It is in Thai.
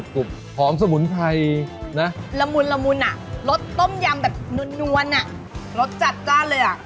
กรุบหอมสมุนไพรนะละมุนอ่ะรสต้มยำแบบน้วนอ่ะรสจัดจ้าเลยอ่ะ